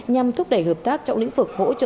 nhằm thúc đẩy hợp tác trong lĩnh vực hỗ trợ